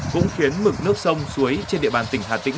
cũng khiến mực nước sông suối trên địa bàn tỉnh hà tĩnh